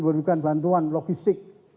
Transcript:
berikan bantuan logistik